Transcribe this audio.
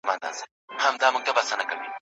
supervisor کلمي ته په پښتو کي مشر وایي.